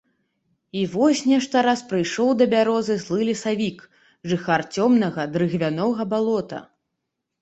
І вось нешта раз прыйшоў да бярозкі злы лесавік, жыхар цёмнага дрыгвянога балота.